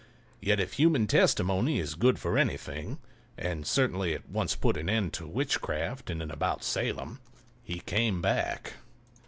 Yet if human testimony is good for anything (and certainly it once put an end to witchcraft in and about Salem) he came back.